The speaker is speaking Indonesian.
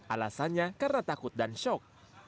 alasannya karena takut dan shock